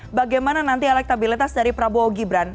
bagaimana nanti elektabilitas dari prabowo gibran